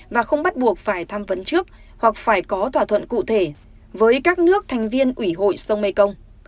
và không bắt buộc phải tham vấn trước hoặc phải có thỏa thuận cụ thể với các nước thành viên ủy hội sông mekong